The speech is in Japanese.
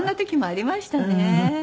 ありました。